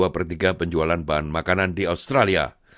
dua per tiga penjualan bahan makanan di australia